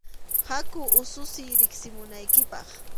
Haku ususiy riqsimunaykipaq.